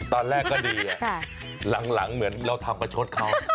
ตอนแรกก็ดีหลังเหมือนเราทำประชดเขา